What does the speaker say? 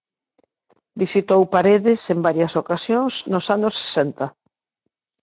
Visitou Paredes en varias ocasións nos anos sesenta.